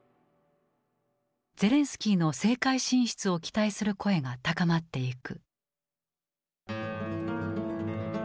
ゼレンスキーの政界進出を期待する声が高まっていく。